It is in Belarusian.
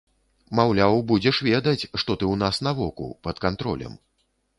Маўляў, будзеш ведаць, што ты ў нас на воку, пад кантролем.